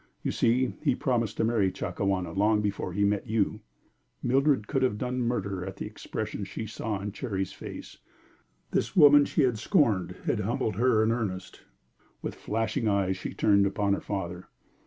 You see, he promised to marry Chakawana long before he met you." Mildred could have done murder at the expression she saw in Cherry's face. This woman she had scorned had humbled her in earnest. With flashing eyes she turned upon her father.